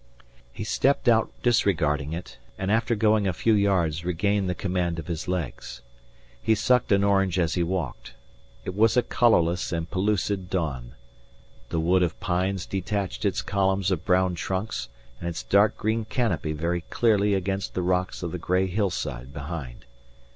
He stepped out disregarding it, and after going a few yards regained the command of his legs. He sucked an orange as he walked. It was a colourless and pellucid dawn. The wood of pines detached its columns of brown trunks and its dark green canopy very clearly against the rocks of the gray hillside behind.